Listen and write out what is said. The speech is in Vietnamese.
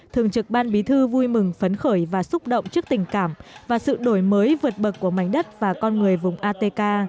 thường trực ban bí thư vui mừng phấn khởi và xúc động trước tình cảm và sự đổi mới vượt bậc của mảnh đất và con người vùng atk